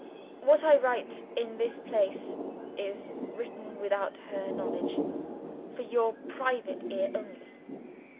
What I write in this place is written without her knowledge for your private ear only.